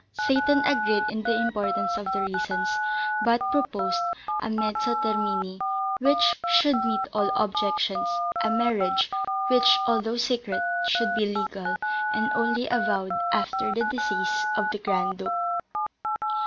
Seyton agreed in the importance of the reasons, but proposed, as a mezzo termini which should meet all objections, a marriage, which, although secret, should be legal, and only avowed after the decease of the Grand Duke.